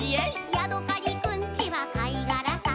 「ヤドカリくんちはかいがらさ」